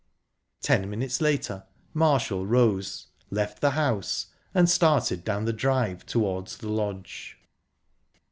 Ten minutes later Marshall rose, left the house, and started down the drive towards the lodge.